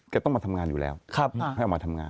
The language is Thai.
ต้องมาทำงานอยู่แล้วให้ออกมาทำงาน